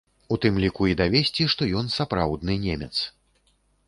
У тым ліку і давесці, што ён сапраўдны немец.